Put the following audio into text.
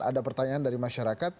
ada pertanyaan dari masyarakat